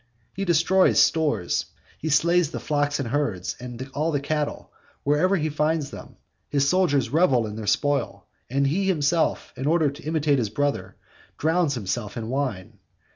He destroys stores, he slays the flocks and herds, and all the cattle, wherever he finds them, his soldiers revel in their spoil, and he himself, in order to imitate his brother, drowns himself in wine.